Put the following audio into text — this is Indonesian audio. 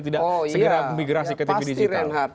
tidak segera migrasi ke tv digital